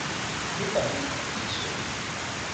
lupa ni li suli.